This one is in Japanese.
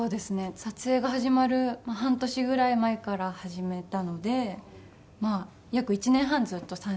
撮影が始まる半年ぐらい前から始めたのでまあ約１年半ずっと三線を触っていて。